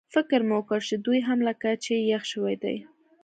فکر مې وکړ چې دوی هم لکه چې یخ شوي دي.